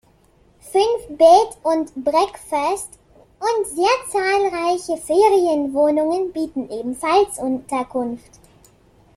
Fünf Bed and Breakfast und sehr zahlreiche Ferienwohnungen bieten ebenfalls Unterkunft.